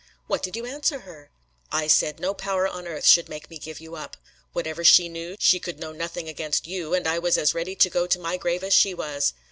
"What did you answer her?" "I said no power on earth should make me give you up. Whatever she knew, she could know nothing against you, and I was as ready to go to my grave as she was.